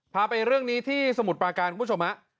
พาไปเรื่องนี้ที่สมุทรปราการคุณผู้ชมฮะ